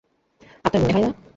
আপনার মনে হয় না?